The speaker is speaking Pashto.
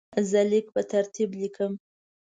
زه لیک په ترتیب لیکم.